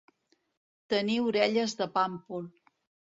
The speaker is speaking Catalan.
Tenir orelles de pàmpol.